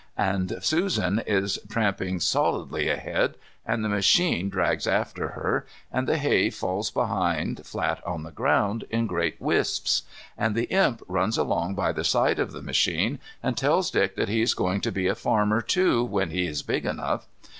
And Susan is tramping solidly ahead, and the machine drags after her, and the hay falls behind flat on the ground in great wisps. And the Imp runs along by the side of the machine, and tells Dick that he is going to be a farmer, too, when he is big enough.